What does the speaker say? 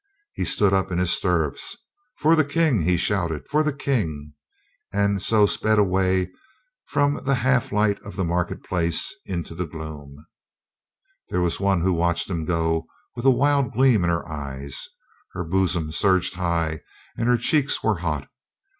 He stood up in his stirrups. "For the King!" he shouted. "For the King!" and so sped away from the half light of the market place into the gloom. JOAN NORMANDY SEES A FRIEND 185 There was one who watched him go with a wild gleam in her eyes ; her bosom surged high and her cheeks were hot.